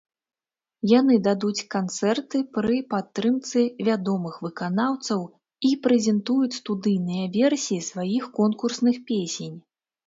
Яны дадуць канцэрты пры падтрымцы вядомых выканаўцаў і прэзентуюць студыйныя версіі сваіх конкурсных песень.